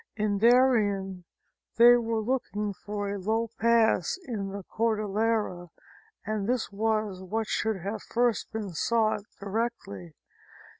In Darien they were looking for a low pass in the Cordillera and this was what should have first been sought, directly.